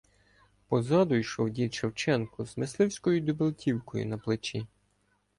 Позаду йшов дід Шевченко з мисливською дубельтівкою на плечі.